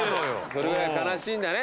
それぐらい悲しいんだね。